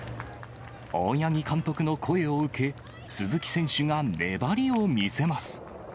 大八木監督の声を受け、鈴木選手が粘りを見せます。